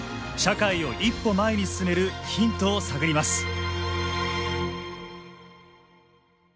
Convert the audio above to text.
社会を一歩前に進めるヒントを探ります。